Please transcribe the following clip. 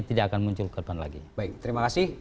tidak akan muncul ke depan lagi baik terima kasih